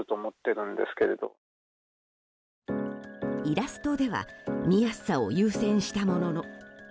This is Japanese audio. イラストでは見やすさを優先したものの。